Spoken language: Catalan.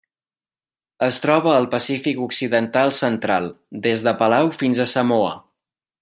Es troba al Pacífic occidental central: des de Palau fins a Samoa.